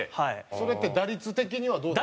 それって打率的にはどうなの？